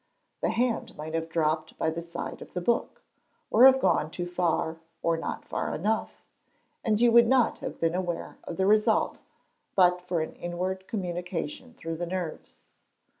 The hand might have dropped by the side of the book, or have gone too far, or not far enough, and you would not have been aware of the result, but for an inward communication through the nerves.